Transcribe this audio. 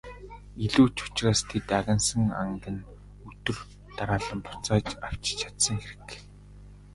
Илүү ч учраас тэд агнасан анг нь өдөр дараалан булааж авч чадсан хэрэг.